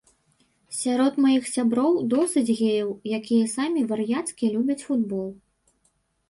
Сярод маіх сяброў досыць геяў, якія самі вар'яцкі любяць футбол.